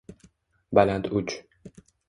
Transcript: Baland uch